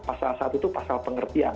pasal satu itu pasal pengertian